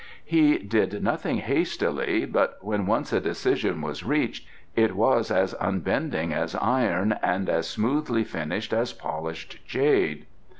He did nothing hastily, but when once a decision was reached it was as unbending as iron and as smoothly finished as polished jade.